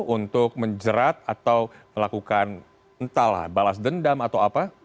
untuk menjerat atau melakukan entahlah balas dendam atau apa